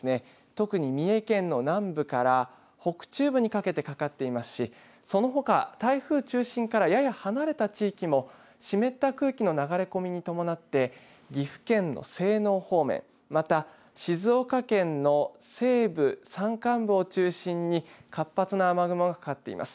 特に三重県の南部から北中部にかけてかかっていますしそのほか、台風中心からやや離れた地域も湿った空気の流れ込みに伴って岐阜県の西濃方面また静岡県の西部山間部を中心に活発な雨雲がかかっています。